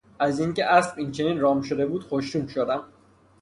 از اینکه اسب این چنین رام شده بود خوشنود شدم.